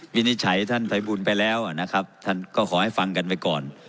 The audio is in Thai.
นิจฉัยท่านภัยบุญไปแล้วนะครับท่านก็ขอให้ฟังกันไปก่อน